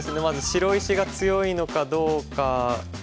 まず白石が強いのかどうか。